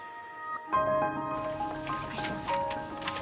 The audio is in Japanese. お願いします